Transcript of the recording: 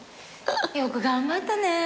よく頑張ったねぇ。